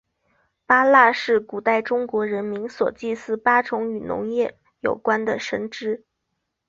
八蜡是古代中国人民所祭祀八种与农业有关的神只。